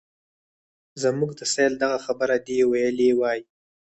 زموږ د سایل دغه خبره دې ویلې وای.